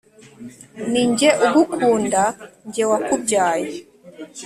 ni jye ugukunda njye wakubyaye